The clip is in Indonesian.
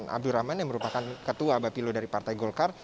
abdurrahman yang merupakan ketua bapilo dari partai golkar